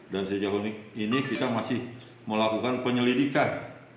dan sejauh ini kita masih melakukan penyelidikan